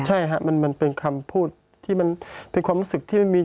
ใช่ครับมันเป็นความรู้สึกที่มันมี